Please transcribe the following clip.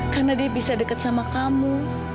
karena dia bisa dekat sama kamu